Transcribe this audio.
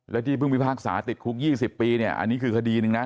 และที่เพิ่งพิพากษาติดคุก๒๐ปีเนี่ยอันนี้คือคดีหนึ่งนะ